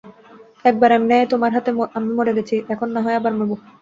একবার এমনেই তোমার হাতে আমি মরে গেছি, এখন না হয় আবার মরব।